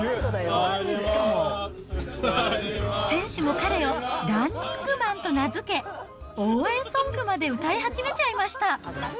選手も彼をランニングマンと名付け、応援ソングまで歌い始めちゃいました。